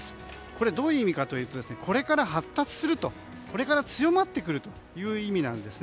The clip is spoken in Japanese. これ、どういう意味かというとこれから発達するとこれから強まってくるという意味なんです。